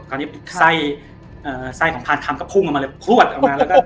คราวนี้ไส้ของพานคำก็พุ่งออกมาเลยพลวดออกมาแล้วก็